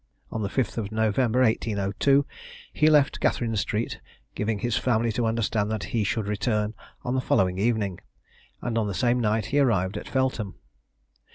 On the 5th of November, 1802, he left Catherine street, giving his family to understand that he should return on the following evening, and on the same night he arrived at Feltham.